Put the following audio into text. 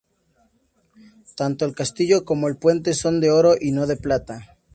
Tanto el castillo como el puente son de oro y no de plata.